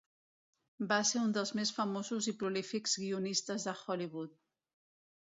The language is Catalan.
Va ser un dels més famosos i prolífics guionistes de Hollywood.